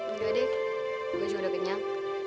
udah deh juga udah kenyang